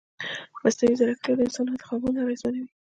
مصنوعي ځیرکتیا د انسان انتخابونه اغېزمنوي.